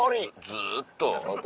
ずっと。